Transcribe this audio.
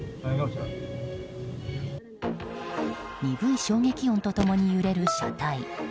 鈍い衝撃音と共に揺れる車体。